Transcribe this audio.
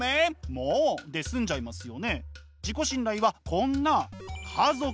「もう！」で済んじゃいますよね？